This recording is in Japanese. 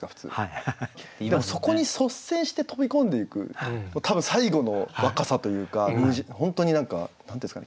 でもそこに率先して飛び込んでいく多分最後の若さというか本当に何か何て言うんですかね